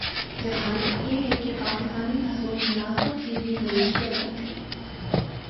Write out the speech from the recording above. آج حالت یہ ہے کہ پاکستانی حصول ملازمت کیلئے ملائشیا جاتے ہیں۔